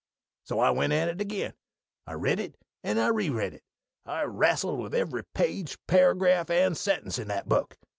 _' "So I went at it again. I read it, and I reread it. I wrastled with every page, paragraph, and sentence in that book.